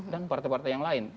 dan partai partai yang lain